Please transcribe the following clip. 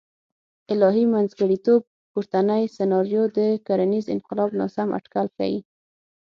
الهي منځګړیتوب پورتنۍ سناریو د کرنیز انقلاب ناسم اټکل ښیي.